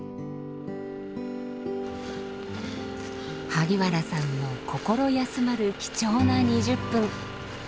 萩原さんの心休まる貴重な２０分。